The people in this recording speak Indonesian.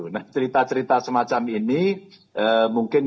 nah cerita cerita semacam ini mungkin